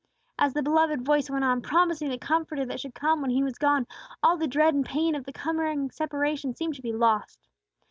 As the beloved voice went on, promising the Comforter that should come when He was gone, all the dread and pain of the coming separation seemed to be lost.